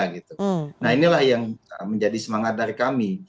nah inilah yang menjadi semangat dari kami